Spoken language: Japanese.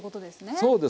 そうです。